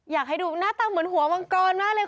อยากให้ดูหน้าตาเหมือนหัวมังกรมากเลย